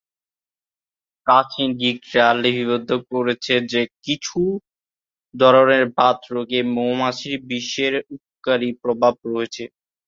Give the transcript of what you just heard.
প্রাচীন গ্রীকরা লিপিবদ্ধ করেছে যে কিছু ধরনের বাত রোগে মৌমাছির বিষের উপকারী প্রভাব আছে।